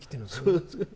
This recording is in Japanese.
そうですね。